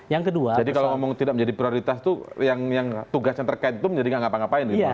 jadi kalau tidak menjadi prioritas tugas yang terkait itu menjadi ngapa ngapain